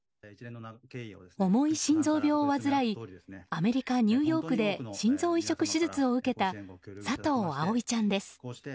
重い心臓病を患いアメリカ・ニューヨークで心臓移植手術を受けた佐藤葵ちゃんです。